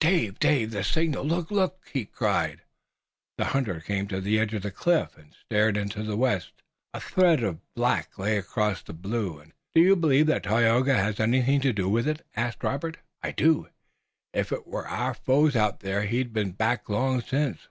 "Dave! Dave! The signal! Look! Look!" he cried. The hunter came to the edge of the cliff and stared into the west. A thread of black lay across the blue, and his heart leaped. "Do you believe that Tayoga has anything to do with it?" asked Robert. "I do. If it were our foes out there he'd have been back long since."